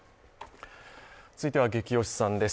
続いては「ゲキ推しさん」です。